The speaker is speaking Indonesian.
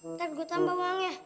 nanti gue tambah uangnya